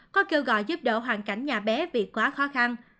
có kêu gọi giúp đỡ hoàn cảnh nhà bé vì quá khó khăn